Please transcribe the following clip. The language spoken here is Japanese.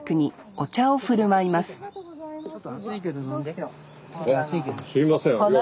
すいません。